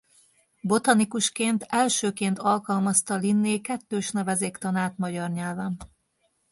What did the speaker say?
Botanikusként elsőként alkalmazta Linné kettős nevezéktanát magyar nyelven.